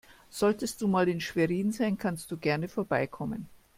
Solltest du mal in Schwerin sein, kannst du gerne vorbeikommen.